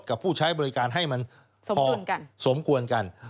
กับผู้ใช้บริการให้มันพอกันสมควรกัน